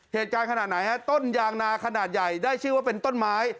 ขนาดไหนฮะต้นยางนาขนาดใหญ่ได้ชื่อว่าเป็นต้นไม้